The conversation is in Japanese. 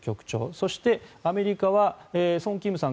そして、アメリカはソン・キムさん。